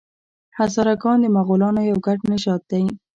هزاره ګان د مغولانو یو ګډ نژاد دی.